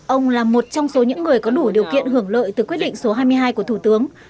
ông là một trong số những người có đủ điều kiện hưởng lợi từ quyết định số hai mươi hai của thủ tướng